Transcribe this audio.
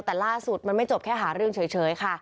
แต่ล่าสุดมันไม่จบแค่หาเรื่องเฉยค่ะ